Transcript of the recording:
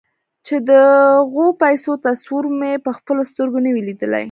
چې د غو پيسو تصور مو پهخپلو سترګو نه وي ليدلی.